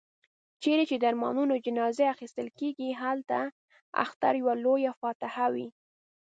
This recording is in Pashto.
چيري چي د ارمانونو جنازې اخيستل کېږي، هلته اختر يوه لويه فاتحه وي.